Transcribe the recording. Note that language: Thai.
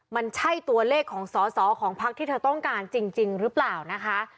มันใช่ตัวเลขของสอสอของพักที่เธอต้องการจริงหรือเปล่านะคะ